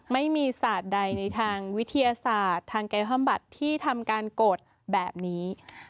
ไม่มีศาสตร์ใดในทางวิทยาศาสตร์ทางกายภาพบัตรที่ทำการกดแบบนี้